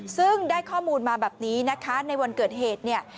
ซึ่งได้ข้อมูลมาแบบนี้นะคะในวันเกิดเหตุเนี่ย